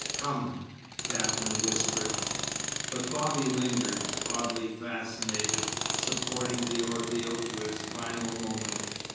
"Come," Katherine whispered. But Bobby lingered, oddly fascinated, supporting the ordeal to its final moment.